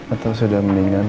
atau sudah mendingan